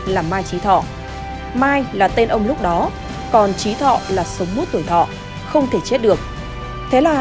là mai trí thọ mai là tên ông lúc đó còn trí thọ là sống một tuổi thọ không thể chết được thế là